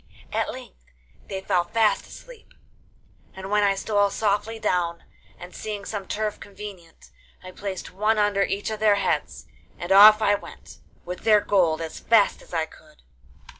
At length they fell fast asleep, and then I stole softly down, and seeing some turf convenient, I placed one under each of their heads, and off I went, with their gold, as fast as I could.